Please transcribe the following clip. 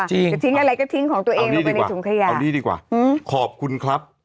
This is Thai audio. จะทิ้งอะไรก็ทิ้งของตัวเองลงไปในถุงขยะเอานี่ดีกว่าอืมขอบคุณครับ